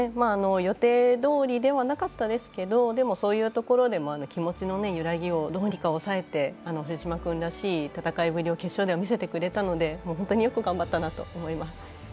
予定どおりではなかったですけどでも、そういうところで気持ちの揺らぎをどうにか抑えて、堀島君らしい戦いぶりを決勝では見せてくれたので本当によく頑張ったなと思います。